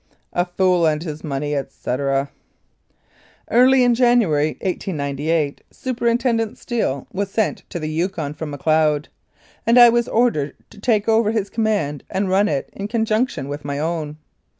" A fool and his money, etc." Early in January, 1898, Superintendent Steele was sent to the Yukon from Macleod, and I was ordered to take over his command and run it in conjunction with my own.